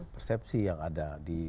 persepsi yang ada